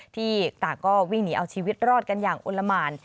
ที่ต่างก็วิ่งหนีเอาชีวิตรอดกันอย่างอลละหมาน